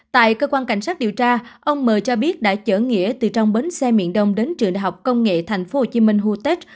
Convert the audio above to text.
tại cơ quan cảnh sát điều tra ông m cho biết đã chở nghĩa từ trong bến xe miền đông đến trường đại học công nghệ tp hcm hotex